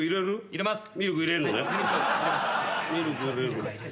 入れます。